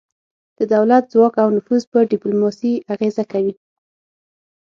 د دولت ځواک او نفوذ په ډیپلوماسي اغیزه کوي